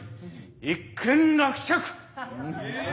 一件落着。